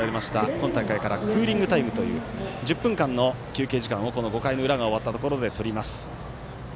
今大会からクーリングタイムという１０分間の休憩時間を５回の裏を終わったところでとります。